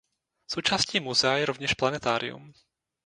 Součástí muzea je rovněž planetárium.